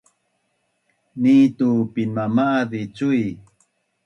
Ni tu pinmama’az zi cui